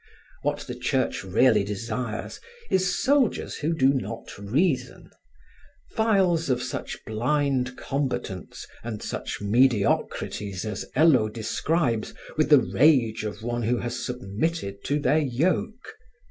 What the Church really desires is soldiers who do not reason, files of such blind combatants and such mediocrities as Hello describes with the rage of one who has submitted to their yoke.